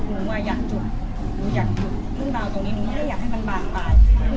หนูว่าอยากจบหนูอยากมึงเบาตรงนี้หนูไม่อยากให้มันบางไป